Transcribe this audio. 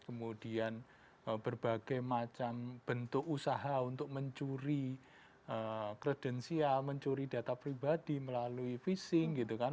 kemudian berbagai macam bentuk usaha untuk mencuri kredensial mencuri data pribadi melalui phishing gitu kan